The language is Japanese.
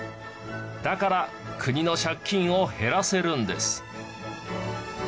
だから国の借金を減らせるんです。